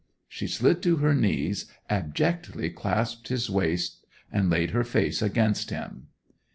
She slid to her knees, abjectly clasped his waist and laid her face against him.